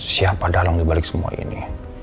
siapa dah langit balik semua ini